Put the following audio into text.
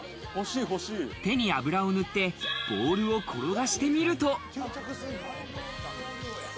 手に油を塗ってボールを転がしてみると。